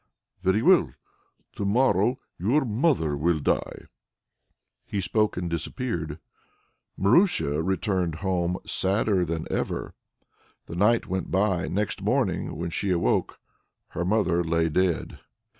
"Very well! To morrow your mother will die." He spoke and disappeared. Marusia returned home sadder than ever. The night went by; next morning, when she awoke, her mother lay dead!